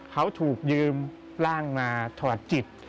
เขาถูกยืมร่างมาถอดจิต